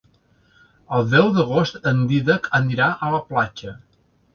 El deu d'agost en Dídac anirà a la platja.